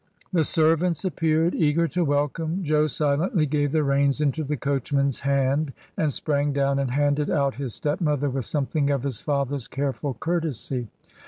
The servants appeared eager to welcome. Jo silently gave the reins into the coachman's hand, and sprang down and handed out his stepmother with something of his father's careful courtesy.